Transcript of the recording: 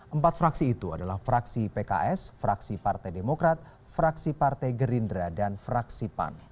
empat fraksi itu adalah fraksi pks fraksi partai demokrat fraksi partai gerindra dan fraksi pan